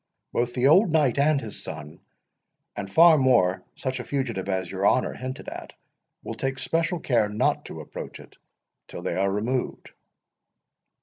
Both the old knight and his son, and far more such a fugitive as your honor hinted at, will take special care not to approach it till they are removed."